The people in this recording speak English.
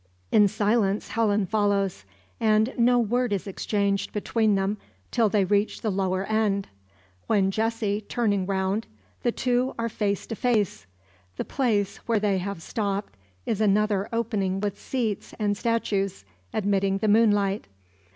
In silence Helen follows; and no word is exchanged between them till they reach the lower end; when Jessie, turning round, the two are face to face. The place, where they have stopped is another opening with seats and statues, admitting the moonlight.